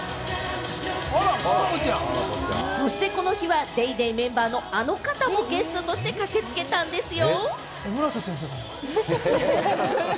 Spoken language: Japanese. そして、この日は『ＤａｙＤａｙ．』メンバーのあの方もゲストとして駆けつけたんですよ。